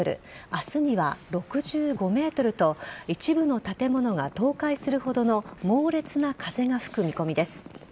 明日には６５メートルと一部の建物が倒壊するほどの猛烈な風が吹く見込みです。